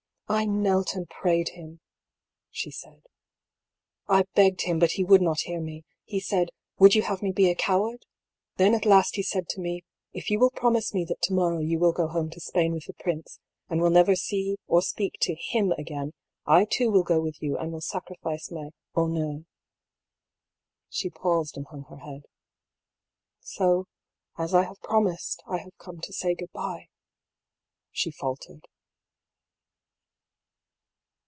" I knelt and prayed him," she said. " I begged him, but he would not hear me. He said :' Would you have me be a coward?* Then afc last he said to me : *If you will promise me that to morrow you will go home to Spain with the prince, and will never see or speak to him again, I too will go with you, and will sacrifice my honneurJ* " She paused and hung her head. " So, as I have prom ised, I have come to say good bye," she faltered.